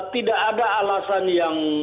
tidak ada alasan yang